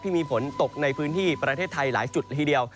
มีฝนตกในพื้นที่ประเทศไทยหลายจุดละทีเดียว